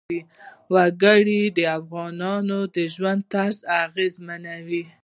وګړي د افغانانو د ژوند طرز اغېزمنوي.